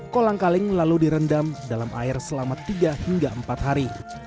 kolang kaling lalu direndam dalam air selama tiga hingga empat hari